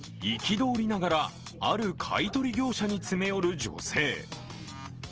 憤りながら、ある買い取り業者に詰め寄る女性。